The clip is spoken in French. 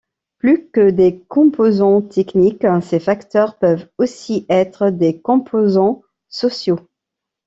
Plus que des composants techniques, ces facteurs peuvent aussi être des composants sociaux.